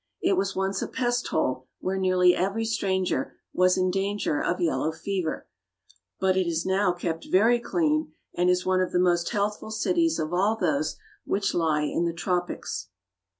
It was once a pest hole where nearly every stranger was in danger of yellow fever; but it is now kept very clean and is one of the most healthful cities of all those which lie in the tropics.